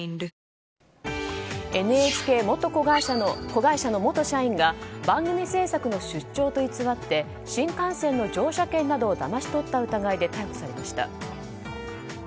ＮＨＫ子会社の元社員が番組制作の出張と偽って新幹線の乗車券などをだまし取ったとして逮捕されました。